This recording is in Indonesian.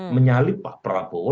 menyalip pak prabowo